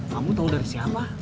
kamu tau dari siapa